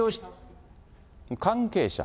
関係者。